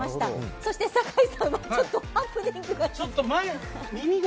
そして、酒井さんはちょっとハプニングが。